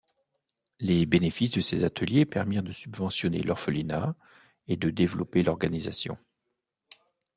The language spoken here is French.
Les bénéfices de ces ateliers permirent de subventionner l'orphelinat et de développer l'organisation.